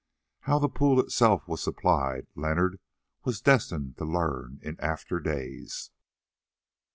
How the pool itself was supplied Leonard was destined to learn in after days.